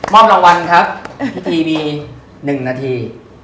มอบรางวัลครับพี่ทีมี๑นาที